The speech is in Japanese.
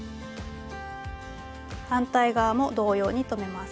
反対側も同様に留めます。